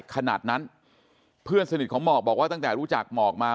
ขนาดนั้นเพื่อนสนิทของหมอกบอกว่าตั้งแต่รู้จักหมอกมา